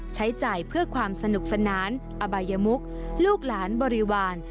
ใช้จ่ายเพื่อความสนุกสนานอบายมุกลูกหลานบริวาร